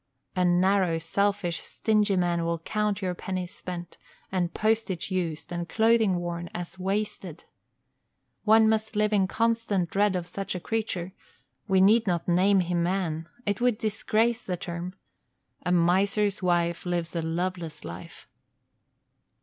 A narrow, selfish, stingy man will count your pennies spent, and postage used, and clothing worn, as wasted. One must live in constant dread of such a creature we need not name him man; it would disgrace the term. A miser's wife lives a loveless life.